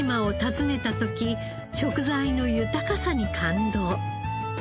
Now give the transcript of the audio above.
食材の豊かさに感動。